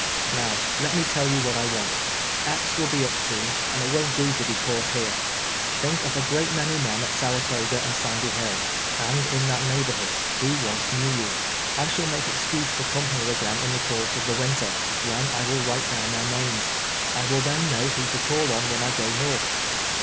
Xow let me tell you what I want. Epps will be up soon, and it won't do to be cauii'lit here. Think of a <;reat many men at Sarato ga and Sandy Hill, and in that neighborhood, who once knew you. I shall make exense to come here again in the course of the winter, when I will write down their names. I will then know Mdio to call on when I go north.